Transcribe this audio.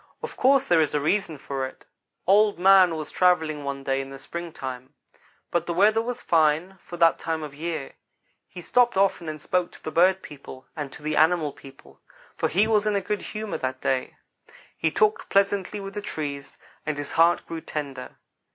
Of course there is a reason for it. "Old man was travelling one day in the springtime; but the weather was fine for that time of year. He stopped often and spoke to the bird people and to the animal people, for he was in good humor that day. He talked pleasantly with the trees, and his heart grew tender.